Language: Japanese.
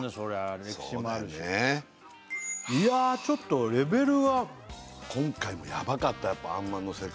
歴史もあるしいやちょっとレベルは今回もやばかったやっぱあんまんの世界